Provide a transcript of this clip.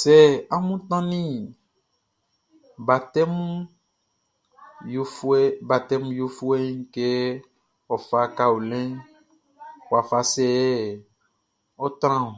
Sɛ amun tannin batɛmun yofuɛʼn kɛ ɔ fa kaolinʼn, wafa sɛ yɛ ɔ́ trán ɔn?